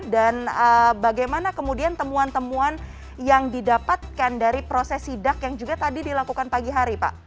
dan bagaimana kemudian temuan temuan yang didapatkan dari proses sidak yang juga tadi dilakukan pagi hari pak